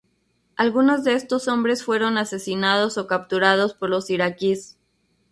Algunos de estos hombres fueron asesinados o capturados por los iraquíes.